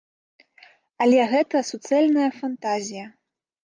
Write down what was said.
Але гэта суцэльная фантазія.